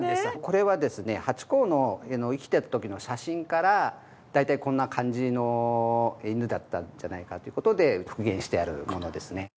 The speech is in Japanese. これはですねハチ公の生きてた時の写真から大体こんな感じの犬だったんじゃないかという事で復元してあるものですね。